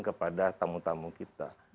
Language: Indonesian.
kepada tamu tamu kita